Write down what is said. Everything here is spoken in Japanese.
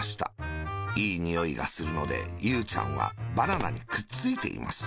いいにおいがするので、ゆうちゃんはバナナにくっついています。